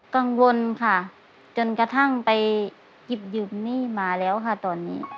กังวลค่ะจนกระทั่งไปหยิบยืมหนี้มาแล้วค่ะตอนนี้